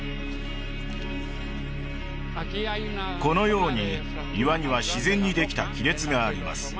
このように岩には自然にできた亀裂があります